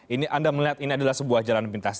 ini anda melihat ini adalah sebuah jalan pintas